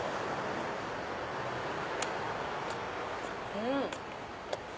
うん！